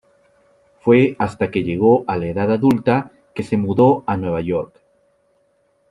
Fue hasta que llegó a la edad adulta que se mudó a Nueva York.